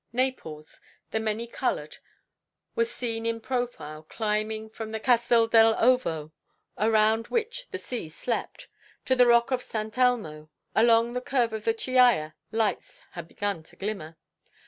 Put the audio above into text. Naples, the many coloured, was seen in profile, climbing from the Castel dell' Ovo, around which the sea slept, to the rock of Sant' Elmo; along the curve of the Chiaia lights had begun to glimmer.